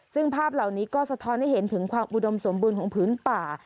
ซึ่งภาพเหล่านี้ก็สะท้อนให้เห็นถึงความอุดมสมบูรณ์ของพื้นป่า